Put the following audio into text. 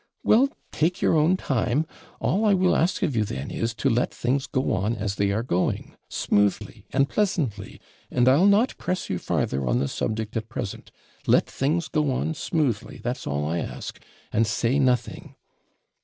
Well, take your own time; all I will ask of you then is, to let things go on as they are going smoothly and pleasantly; and I'll not press you farther on the subject at present, Let things go on smoothly, that's all I ask, and say nothing.'